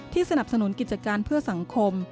สนับสนุนกิจการเพื่อสังคม